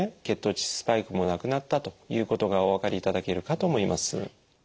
血糖値スパイクもなくなったということがお分かりいただけるかと思います。